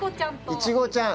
いちごちゃん？